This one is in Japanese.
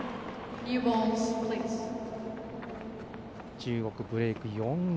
中国ブレーク、４−４。